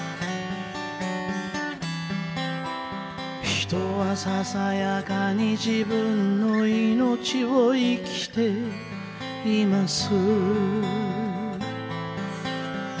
「人はささやかに自分の生命を生きています」